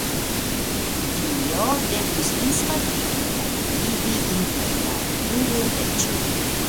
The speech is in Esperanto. Dio devus dispartigi kaj dividi inter la du reĝoj.